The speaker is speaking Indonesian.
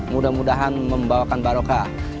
mudah mudahan membawakan barokah